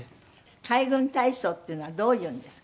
海軍体操っていうのはどういうのですか？